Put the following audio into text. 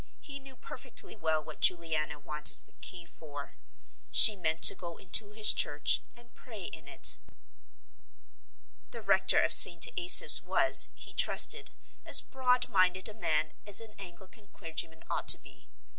He knew perfectly well what Juliana wanted the key for. She meant to go into his church and pray in it. The rector of St. Asaph's was, he trusted, as broad minded a man as an Anglican clergyman ought to be.